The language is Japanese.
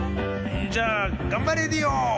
じゃあ「がんばレディオ！」。